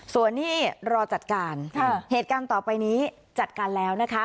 ส่วนนี้รอจัดการเหตุการณ์ต่อไปนี้จัดการแล้วนะคะ